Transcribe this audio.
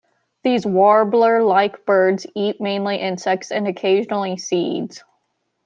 These warbler-like birds eat mainly insects and occasionally seeds.